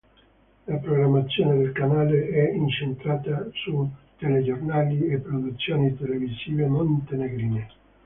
La programmazione del canale è incentrata su telegiornali e produzioni televisive montenegrine.